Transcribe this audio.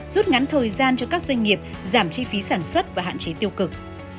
rút ngắn thời gian cho các doanh nghiệp giảm chi phí sản xuất và hạn chế tiêu cực